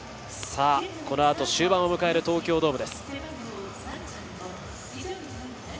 このあと終盤を迎える東京ドームです。